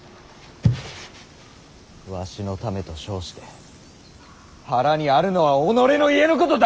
わしのためと称して腹にあるのは己の家のことだけではないか！